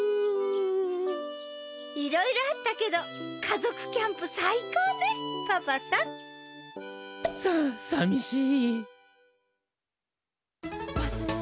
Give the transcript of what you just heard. いろいろあったけど家族キャンプさいこうねパパさんささみしい。